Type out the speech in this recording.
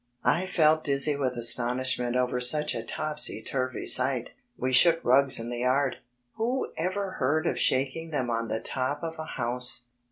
I felt dizzy with astonishment over such a topsy turvy sight. IP> shook rugs in the yard. Who ever heard of shaking them on the top of a house!